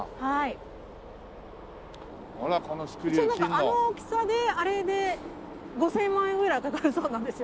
あの大きさであれで５０００万円ぐらいかかるそうなんですよ。